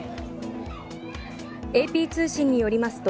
ＡＰ通信によりますと